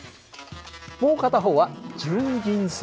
もう片方は純銀製。